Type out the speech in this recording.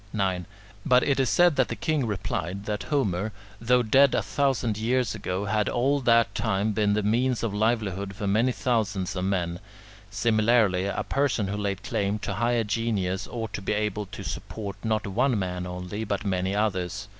9. But it is said that the king replied, that Homer, though dead a thousand years ago, had all that time been the means of livelihood for many thousands of men; similarly, a person who laid claim to higher genius ought to be able to support not one man only, but many others.